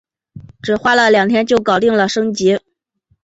只花了两天就搞定了升级